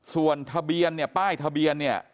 ส่วนทะเบียนเนี่ยป้ายทะเบียนเนี่ย